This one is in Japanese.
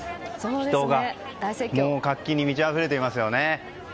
活気に満ちあふれていますよね。